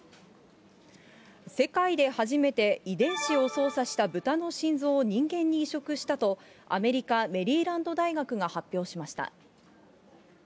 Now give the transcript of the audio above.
世界で初めて遺伝子を操作した豚の心臓を人間に移植したと、アメリカ、メリーランド大学が発表しました。